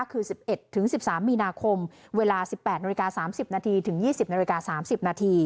คือ๑๑๑๓มีนาคมเวลา๑๘๓๐นถึง๒๐๓๐น